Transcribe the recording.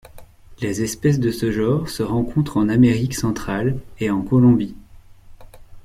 Les espèces de ce genre se rencontrent en Amérique centrale et en Colombie.